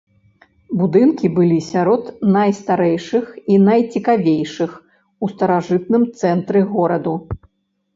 Будынкі былі сярод найстарэйшых і найцікавейшых у старажытным цэнтры гораду.